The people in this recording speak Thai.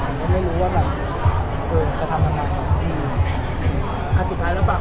และไม่รู้ว่านี่จะทำอะไร